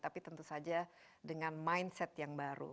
tapi tentu saja dengan mindset yang baru